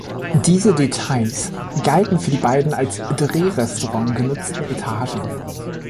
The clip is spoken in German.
Diese Details galten für die beiden als Drehrestaurant genutzten Etagen.